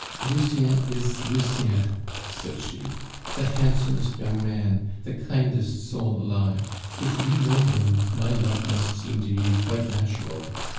"Lucien is Lucien," said she, "the handsomest young man, the kindest soul alive; if you know him, my love must seem to you quite natural.